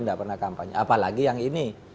tidak pernah kampanye apalagi yang ini